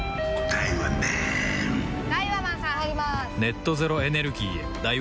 ・ダイワマンさん入りまーす！